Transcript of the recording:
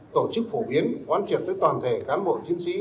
tổ chức phổ biến quan trọng tới toàn thể cán bộ chiến sĩ